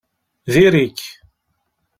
Diri-k!